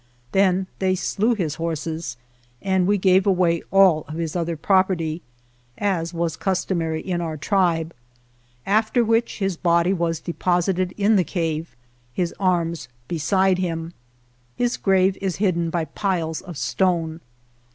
Then they slew his horses, and we gave away all of his other property, 2 as was customary in our tribe, after which his body was deposited in the cave, his arms beside him. His grave is hidden by piles of stone.